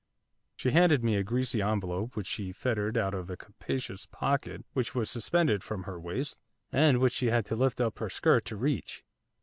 She handed me a greasy envelope which she ferreted out of a capacious pocket which was suspended from her waist, and which she had to lift up her skirt to reach.